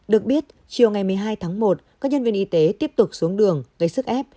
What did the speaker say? được biết chiều ngày một mươi hai tháng một các nhân viên y tế tiếp tục xuống đường gây sức ép